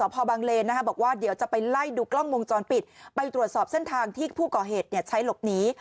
พอบังเลนบอกว่าเดี๋ยวจะไปไล่ดูกล้องวงจรปิดไปตรวจสอบเส้นทางที่ผู้ก่อเหตุใช้หลบหนี